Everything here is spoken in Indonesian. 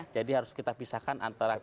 jadi harus kita pisahkan antara